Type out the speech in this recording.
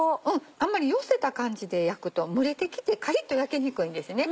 あんまり寄せた感じで焼くと蒸れてきてカリっと焼けにくいんですね。